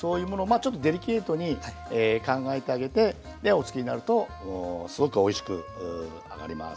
あちょっとデリケートに考えてあげてでおつくりになるとすごくおいしく揚がります。